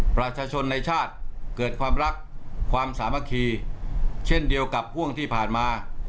ประชาชนในชาติเกิดความรักความสามัคคีเช่นเดียวกับห่วงที่ผ่านมา